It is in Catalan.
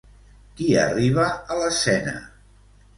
Qui arriba a l'escena?